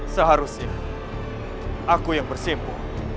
seharusnya aku yang bersimpu